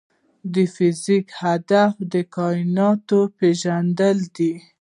د فزیک هدف د کائنات پېژندل دي.